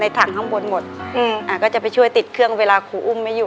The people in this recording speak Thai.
ในแคมเปญพิเศษเกมต่อชีวิตโรงเรียนของหนู